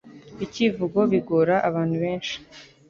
iCYIvugo bigora abantu benshi